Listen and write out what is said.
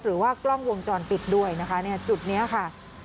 หรือว่ากล้องวงจรปิดด้วยนะคะจุดนี้ค่ะ